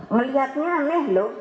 melihatnya aneh loh